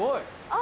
あ！